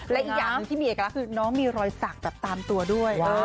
และอีกอย่างหนึ่งที่มีเอกลักษณ์คือน้องมีรอยสักแบบตามตัวด้วย